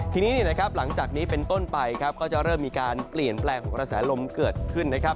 ทีนี้นะครับหลังจากนี้เป็นต้นไปครับก็จะเริ่มมีการเปลี่ยนแปลงของกระแสลมเกิดขึ้นนะครับ